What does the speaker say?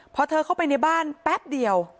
พอเธอเข้าไปในบ้านแป๊บเดียว